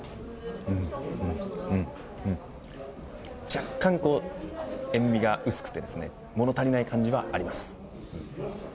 若干塩味が薄くて物足りない感じはあります。